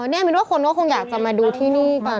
เนี่ยไม่รู้ว่าคนก็คงอยากจะมาดูที่นี่กัน